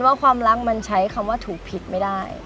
ว่าความรักมันใช้คำว่าถูกผิดไม่ได้